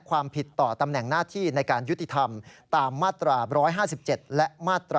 ความผิดต่อตำแหน่งหน้าที่ในการยุติธรรมตามมาตรา๑๕๗และมาตรา๑